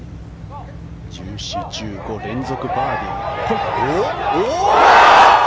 １４、１５連続バーディー。